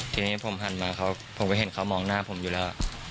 ทีนี้ผมหันมาผมก็เห็นเขามองหน้าผมอยู่แล้ว